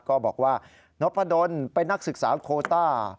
ก็บอกว่าน้องพะดนตร์เป็นนักศึกษาโคต้า